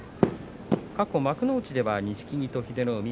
過去幕内では錦木と英乃